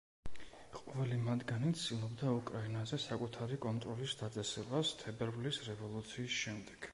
ყოველი მათგანი ცდილობდა უკრაინაზე საკუთარი კონტროლის დაწესებას თებერვლის რევოლუციის შემდეგ.